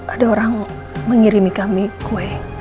ada orang mengirimi kami kue